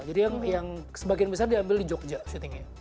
jadi yang sebagian besar diambil di jogja syutingnya